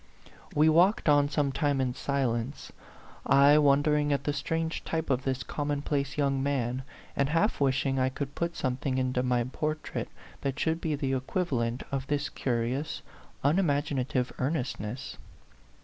We walked on some time in silence, I won dering at the strange type of this common place young man, and half wishing I could put something into my portrait that should be the equivalent of this curious, unimag inative earnestness.